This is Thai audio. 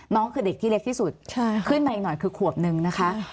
คือเด็กที่เล็กที่สุดขึ้นมาอีกหน่อยคือขวบนึงนะคะ